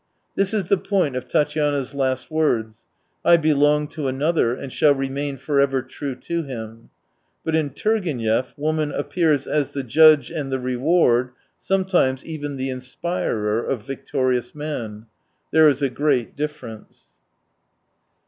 This is the point of Tatyana's last words :" I belong to another, and shall remain forever true to hirii." But in Turgenev woman appears as the judge and the reward, sometimes even the inspjrer of victorious man. There is a great difference.